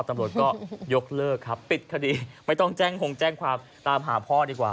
ตำรวจก็ยกเลิกครับปิดคดีไม่ต้องแจ้งคงแจ้งความตามหาพ่อดีกว่า